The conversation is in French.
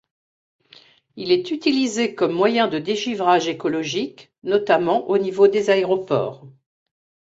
Il est utilisé comme moyen de dégivrage écologique notamment au niveau des aéroports.